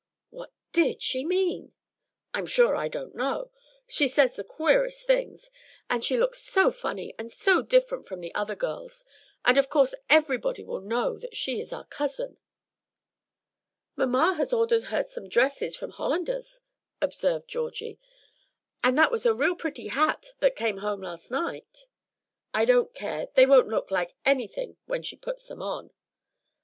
"What did she mean?" "I'm sure I don't know. She says the queerest things. And she looks so funny and so different from the other girls; and of course everybody will know that she is our cousin." "Mamma has ordered her some dresses from Hollander's," observed Georgie; "and that was a real pretty hat that came home last night." "I don't care. They won't look like anything when she puts them on."